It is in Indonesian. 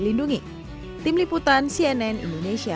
lindungi tim liputan cnn indonesia